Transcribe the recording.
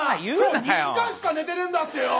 今日２時間しか寝てねえんだってよ！